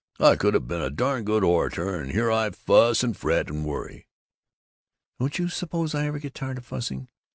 I could have been a darn good orator, and here I fuss and fret and worry " "Don't you suppose I ever get tired of fussing?